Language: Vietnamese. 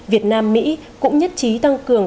việt nam mỹ cũng nhất trí tăng cường